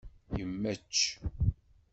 Yemmečč.